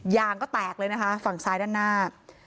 ยางก็แตกเลยนะคะฝั่งซ้ายด้านหน้า